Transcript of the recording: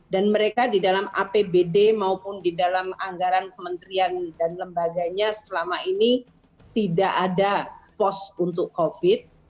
dan mereka di dalam apbd maupun di dalam anggaran kementerian dan lembaganya selama ini tidak ada pos untuk covid sembilan belas